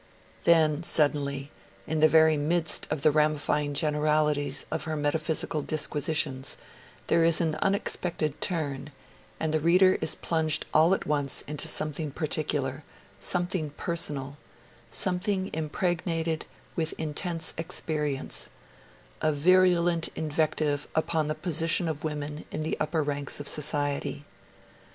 Then, suddenly, in the very midst of the ramifying generalities of her metaphysical disquisitions, there is an unexpected turn and the reader is plunged all at once into something particular, something personal, something impregnated with intense experience a virulent invective upon the position of women in the upper ranks of society.